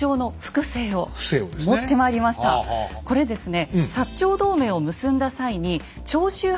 これですね